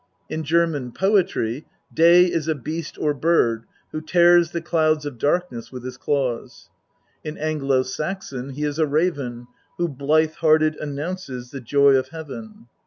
In German poetry Day is a beast or bird who tears the clouds of darkness with his claws; in Anglo Saxon he is a raven who "blithe hearted announces the joy of heaven."